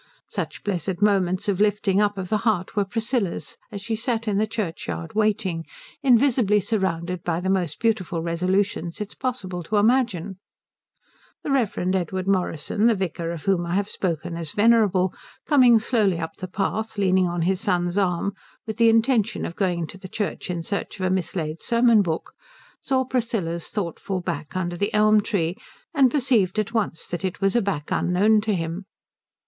Such blessed moments of lifting up of the heart were Priscilla's as she sat in the churchyard waiting, invisibly surrounded by the most beautiful resolutions it is possible to imagine. The Rev. Edward Morrison, the vicar of whom I have spoken as venerable, coming slowly up the path leaning on his son's arm with the intention of going into the church in search of a mislaid sermon book, saw Priscilla's thoughtful back under the elm tree and perceived at once that it was a back unknown to him.